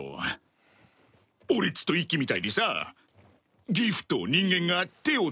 俺っちと一輝みたいにさギフと人間が手を。